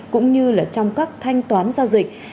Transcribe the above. cũng như là trong các thanh toán giao dịch